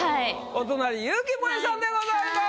お隣結城モエさんでございます。